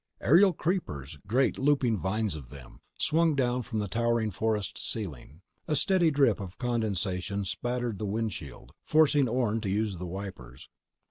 Aerial creepers—great looping vines of them—swung down from the towering forest ceiling. A steady drip of condensation spattered the windshield, forcing Orne to use the wipers.